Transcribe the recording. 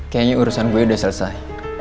kayaknya urusan gue udah selesai